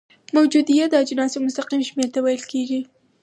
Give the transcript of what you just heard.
موجودیه د اجناسو مستقیم شمیر ته ویل کیږي.